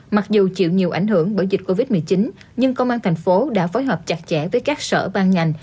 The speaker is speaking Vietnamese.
mặc dù chịu nhiều ảnh hưởng bởi dịch covid một mươi chín nhưng công an thành phố đã phối hợp chặt chẽ với các sở ban ngành